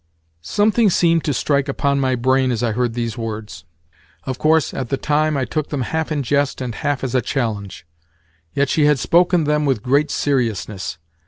Something seemed to strike upon my brain as I heard these words. Of course, at the time I took them half in jest and half as a challenge; yet, she had spoken them with great seriousness.